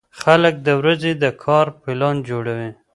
خلک د ورځې د کار پلان جوړوي